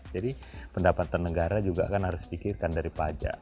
jadi pendapatan negara juga kan harus dipikirkan dari pajak